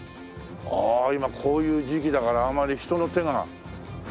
ああ今こういう時期だからあんまり人の手が触れないように。